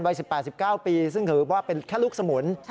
วัย๑๘๑๙ปีซึ่งถือว่าเป็นแค่ลูกสมุน